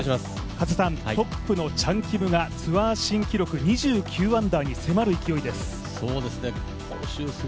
トップのチャン・キムがツアー新記録２９アンダーに迫る勢いです。